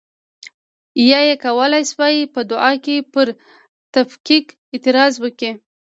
یا یې کولای شوای په دعا کې پر تفکیک اعتراض وکړي.